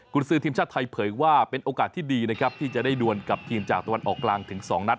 คุณซื้อทีมชาติไทยเผยว่าเป็นโอกาสที่ดีนะครับที่จะได้ดวนกับทีมจากตะวันออกกลางถึง๒นัด